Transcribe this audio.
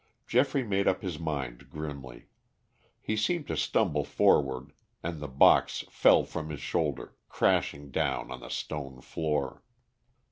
Geoffrey made up his mind grimly. He seemed to stumble forward, and the box fell from his shoulder, crashing down on the stone floor.